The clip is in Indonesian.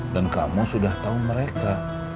dan kamu sudah tau mereka